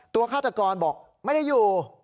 ฆาตกรบอกไม่ได้อยู่